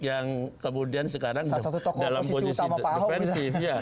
yang kemudian sekarang dalam posisi defensif